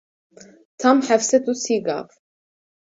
Tam heft sed û sî gav.